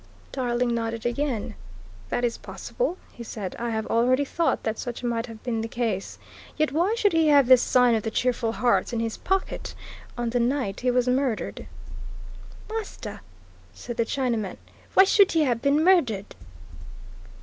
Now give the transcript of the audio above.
Tarling nodded again. "That is possible," he said. "I have already thought that such might have been the case. Yet, why should he have this sign of the 'Cheerful Hearts' in his pocket on the night he was murdered?" "Master," said the Chinaman, "why should he have been murdered?"